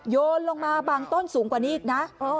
โยนลงมาบางต้นสูงกว่านี้อีกนะ